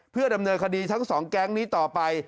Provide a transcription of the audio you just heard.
เพื่อดำเนินคดีทั้งสองแก๊งนี้ต่อไป